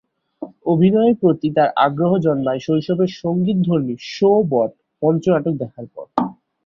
অভিনয়ের প্রতি তার আগ্রহ জন্মায় শৈশবে সঙ্গীতধর্মী "শো বোট" মঞ্চনাটক দেখার পর।